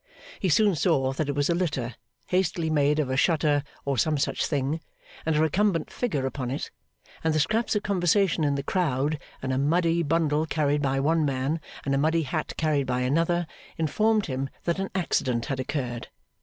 He soon saw that it was a litter, hastily made of a shutter or some such thing; and a recumbent figure upon it, and the scraps of conversation in the crowd, and a muddy bundle carried by one man, and a muddy hat carried by another, informed him that an accident had occurred.